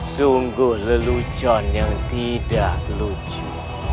sungguh lelucon yang tidak lucu